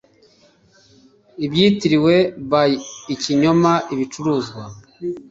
ibyitiriwe by ikinyoma ibicuruzwa